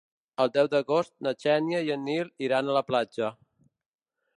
El deu d'agost na Xènia i en Nil iran a la platja.